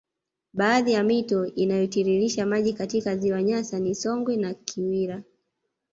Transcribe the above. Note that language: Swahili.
Baadhi ya mito inayotiririsha maji katika ziwa Nyasa ni Songwe na Kiwira